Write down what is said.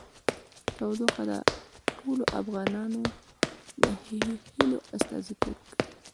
تودوخه د ټولو افغان ځوانانو د هیلو استازیتوب کوي.